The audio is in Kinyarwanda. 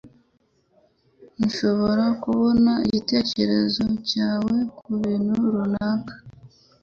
Nshobora kubona igitekerezo cyawe kubintu runaka?